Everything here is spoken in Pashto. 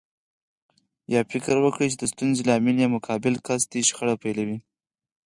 يا فکر وکړي چې د ستونزې لامل يې مقابل کس دی شخړه پيلوي.